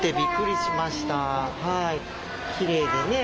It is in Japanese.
きれいでね。